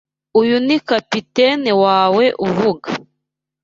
Uyu ni capitaine wawe avuga.